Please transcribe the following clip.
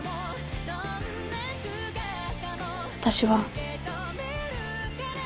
私は。